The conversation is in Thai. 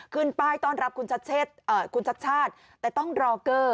ป้ายต้อนรับคุณชัดชาติแต่ต้องรอเกอร์